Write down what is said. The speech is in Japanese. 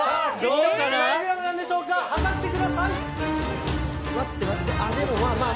何グラムなんでしょうか量ってください！